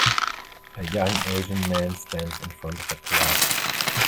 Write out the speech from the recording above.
A young asian man stands in front of a class